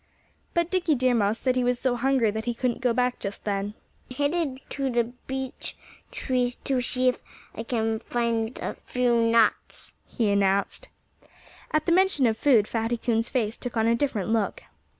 But Dickie Deer Mouse said he was so hungry that he couldn't go back just then. "I'm headed for the big beech tree to see if I can find a few nuts," he announced. At the mention of food Fatty Coon's face took on a different look.